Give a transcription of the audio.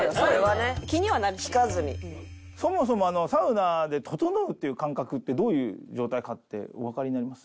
そもそもサウナでととのうっていう感覚ってどういう状態かっておわかりになります？